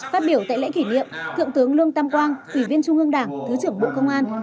phát biểu tại lễ kỷ niệm thượng tướng lương tam quang ủy viên trung ương đảng thứ trưởng bộ công an